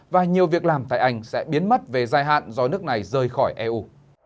và nhiều việc làm tại anh sẽ biến mất về dài hạn do nước này rời khỏi eu